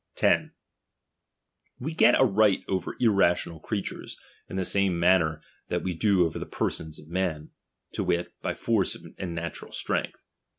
10. We get a right over irrational creatures, iu Tbed, libe same manner that we do over the persons ofiBbj t Tnen; to wit, by force and natural strength.